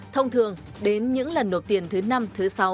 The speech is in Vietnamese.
thông thường đến những lần nộp tiền thứ năm thứ sáu